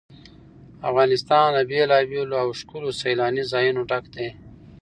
افغانستان له بېلابېلو او ښکلو سیلاني ځایونو ډک دی.